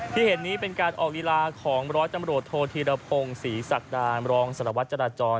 ที่เห็นนี้เป็นการออกลีลาของร้อยตำรวจโทษธีรพงศ์ศรีศักดามรองสารวัตรจราจร